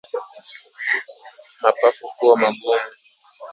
Mapafu kuwa magumu